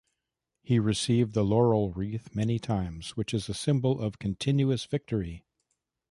He received the laurel wreath many times, which is a symbol of continuous victory.